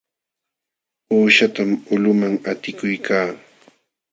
Uushatam ulquman qatikuykaa.